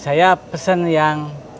saya pesen yang